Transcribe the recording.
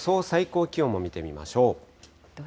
最高気温も見てみましょう。